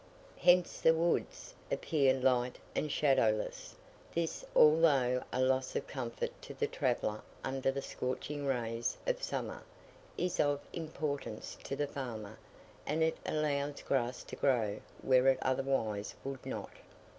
Hence the woods appear light and shadowless: this, although a loss of comfort to the traveller under the scorching rays of summer, is of importance to the farmer, as it allows grass to grow where it otherwise would not.